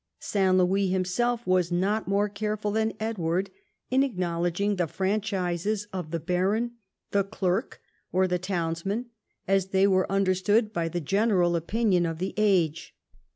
St. Louis himself Avas not more careful than Edward in acknow ledging the franchises of the baron, the clerk, or the townsmen, as they were understood by the general opinion of the age.